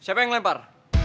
siapa yang ngelempar